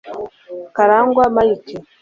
Karangwa Mike